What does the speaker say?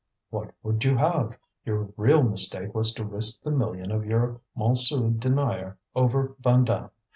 "What would you have? Your real mistake was to risk the million of your Montsou denier over Vandame.